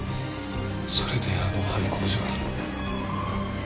それであの廃工場に。